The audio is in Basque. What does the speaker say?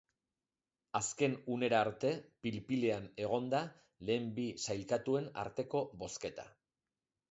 Azken unera arte pil-pilean egon da lehen bi sailkatuen arteko bozketa.